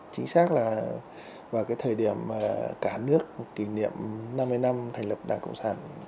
chính xác là vào cái thời điểm mà cả nước kỷ niệm năm mươi năm thành lập đảng cộng sản